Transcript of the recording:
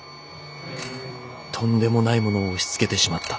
とんでもないものを押し付けてしまった」。